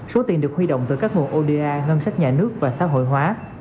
số tiền được huy động từ các nguồn oda ngân sách nhà nước và xã hội hóa